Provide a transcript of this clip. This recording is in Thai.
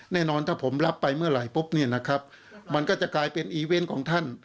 แน่นอนถ้าผมรับไปเมื่อไหร่ปุ๊บมันก็จะกลายเป็นอีเว้นของท่าน